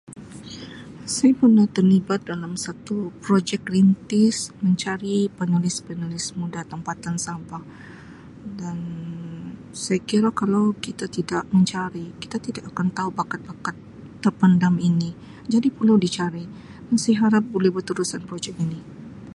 Saya pernah terlibat dalam satu projek Rintis mencari penulis-penulis muda tempatan Sabah dan saya kira kalau kita tidak mencari kita tidak akan tau bakat-bakat terpendam ini jadi perlu dicari dan sa harap boleh berterusan projek ini.